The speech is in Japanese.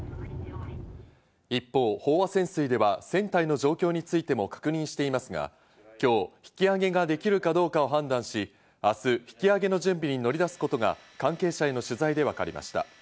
一方、飽和潜水では船体の状況についても確認していますが、今日引き揚げができるかどうかを判断し、明日引き揚げの準備に乗り出すことが関係者への取材でわかりました。